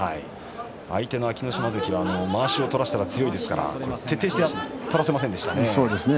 相手の安芸乃島関はまわしを取らせたら強いですから徹底して取らせませんでしたね。